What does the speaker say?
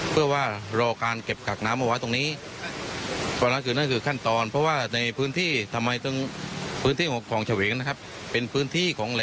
เพื่อว่ารอการเก็บขักน้ำมาไว้ตรงนี้ตอนนั้นคือนั่นคือขั้นตอน